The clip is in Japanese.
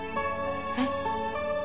えっ？